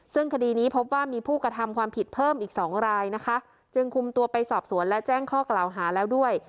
ซึ่งคดีนี้พบว่ามีผู้กระทำความผิดเพิ่มอีกสองรายนะคะจึงคุมตัวไปสอบสวนและแจ้งข้อกล่าวหาแล้วด้วย